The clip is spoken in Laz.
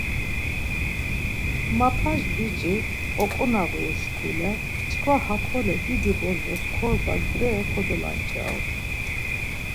Mapaş biç̌i oǩonağuru şkule çkva hakole didi bozos korbas bere kodolanç̌aru.